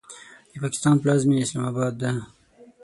د پاکستان پلازمینه اسلام آباد ده.